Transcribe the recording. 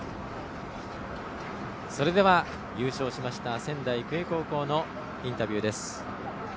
それでは、優勝しました仙台育英高校のインタビューです。